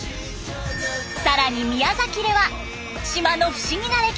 更に宮崎では島の不思議な歴史が明らかに！